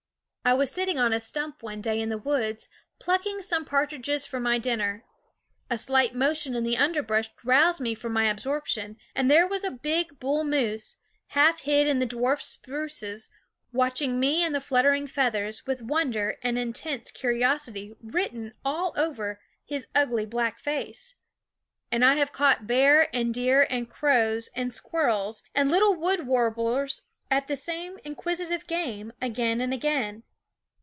I was sitting on a stump one day in the woods, plucking some partridges for my dinner. A slight motion in the underbrush roused me from my absorption; and there was a big bull moose, half hid in the dwarf spruces, watching me and the fluttering feathers, with wonder and intense curiosity written all over his ugly black face. And I have caught bear and deer and crows and SCHOOL OJF squirrels and little wood warblers at the same inquisitive game, again and again.